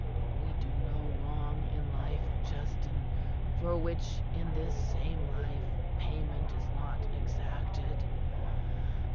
We do no wrong in life, Justin, for which in this same life payment is not exacted.